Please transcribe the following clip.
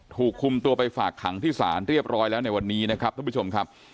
ถูกคุมตัวไปฝากขังที่ศาลเรียบร้อยแล้วในวันนี้นะครับท่านผู้ชมครับ